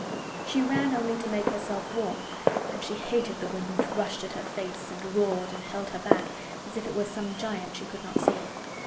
She ran only to make herself warm, and she hated the wind which rushed at her face and roared and held her back as if it were some giant she could not see.